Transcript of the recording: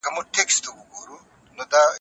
سیاسي لوری باید په ازاده توګه وټاکل سي.